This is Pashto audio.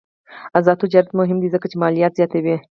آزاد تجارت مهم دی ځکه چې مالیات زیاتوي.